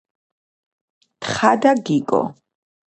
თხა და გიგო